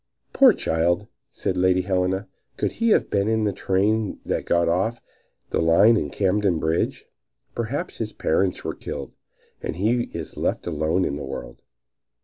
"Poor child!" said Lady Helena. "Could he have been in the train that got off the line at Camden Bridge? Perhaps his parents are killed, and he is left alone in the world!"